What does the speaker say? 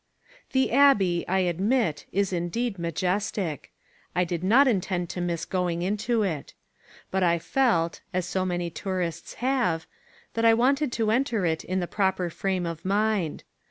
The Abbey, I admit, is indeed majestic. I did not intend to miss going into it. But I felt, as so many tourists have, that I wanted to enter it in the proper frame of mind.